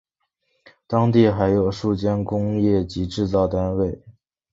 当地还有数间工业及制造单位。